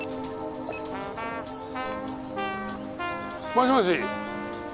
もしもし。